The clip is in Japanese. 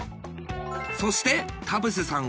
そして田臥さん